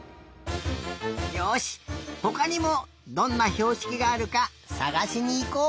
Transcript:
よしほかにもどんなひょうしきがあるかさがしにいこう！